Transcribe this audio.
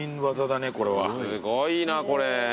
すごいなこれ。